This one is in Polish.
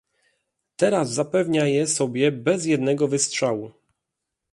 Teraz zapewnia je sobie bez jednego wystrzału